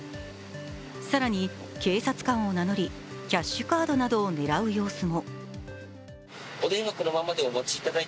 更に警察官を名乗りキャッシュカードなどを狙う様子も。